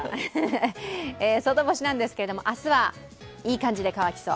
外干しですけれども、明日はいい感じで乾きそう。